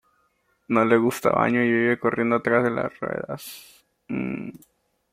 No le gusta baño y vive corriendo atrás de las ruedas.